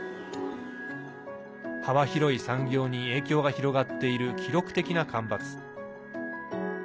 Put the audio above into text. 幅広い産業に影響が広がっている記録的な干ばつ。